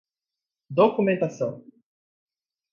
documentação